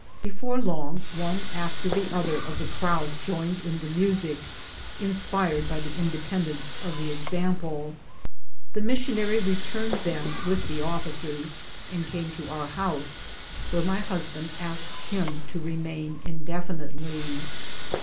Before long one after the other of the crowd joined in the music, inspired by the independence of the example. The missionary returned then with the officers, and came to our house, where my husband asked him to remain indefinitely.